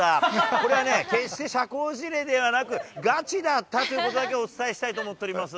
これはね、決して社交辞令ではなく、ガチだったということだけお伝えしたいと思っております。